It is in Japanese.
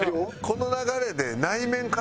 この流れで。